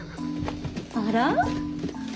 ・あら？